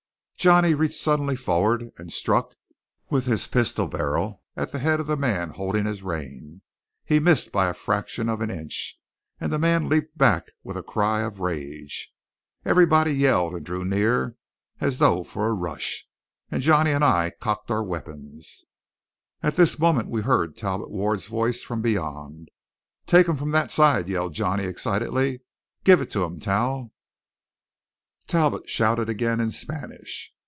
Johnny reached suddenly forward and struck with his pistol barrel at the head of the man holding his rein. He missed by the fraction of an inch; and the man leaped back with a cry of rage. Everybody yelled and drew near as though for a rush. Johnny and I cocked our weapons. At this moment we heard Talbot Ward's voice from beyond. "Take 'em from that side!" yelled Johnny excitedly. "Give it to 'em, Tal!" Talbot shouted again, in Spanish.